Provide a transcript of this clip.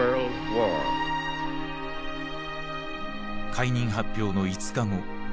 解任発表の５日後。